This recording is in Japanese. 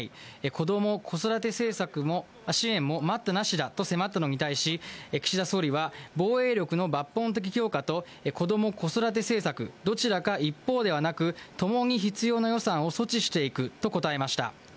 子ども・子育て支援も待ったなしだと迫ったのに対し、岸田総理は、防衛力の抜本的強化と、子ども・子育て政策、どちらか一方ではなく、共に必要な予算を措置していくと答えました。